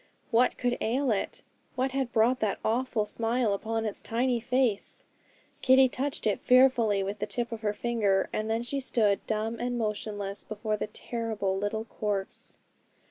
What could ail it? What had brought that awful smile upon its tiny face? Kitty touched it fearfully with the tip of her finger; and then she stood dumb and motionless before the terrible little corpse.